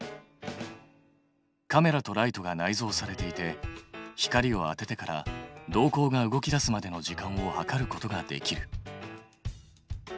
カメラとライトが内蔵されていて光を当ててから瞳孔が動き出すまでの時間を計ることができる。